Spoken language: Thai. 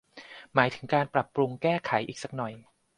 หมายถึงการปรับปรุงแก้ไขอีกสักหน่อย